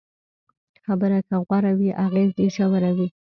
خبره که غوره وي، اغېز یې ژور وي.